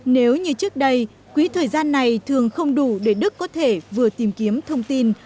nếu như trước đây quý thời gian này thường không đủ để đức có thể vừa tìm kiếm thông tin